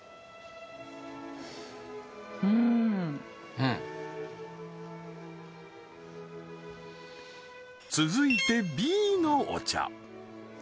うーん続いてＢのお茶